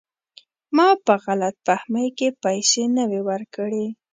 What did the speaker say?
ما په غلط فهمۍ کې پیسې نه وې ورکړي.